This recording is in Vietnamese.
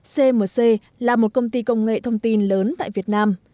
cmc là một công ty công nghệ thông tin lớn tại việt nam